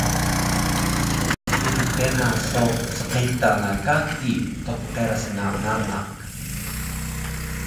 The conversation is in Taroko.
mntena so sqita na gagi dqeras na nanak